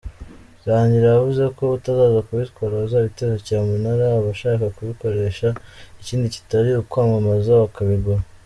Rangira yavuze ko utazaza kubitwara bazabiteza cyamunara, abashaka kubikoresha ikindi kitari ukwamamaza bakabigura.